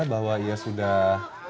bahwa ia sudah